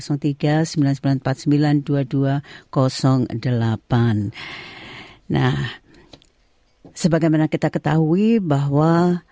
nah sebagaimana kita ketahui bahwa